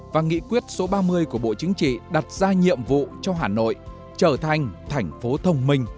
và nghị quyết số ba mươi của bộ chính trị đặt ra nhiệm vụ cho hà nội trở thành thành phố thông minh